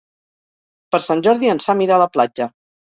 Per Sant Jordi en Sam irà a la platja.